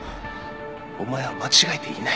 お前は間違えていない